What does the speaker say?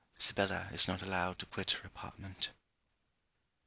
Sibella is not allowed to quit her apartment.